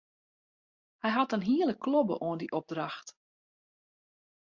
Hy hat in hiele klobbe oan dy opdracht.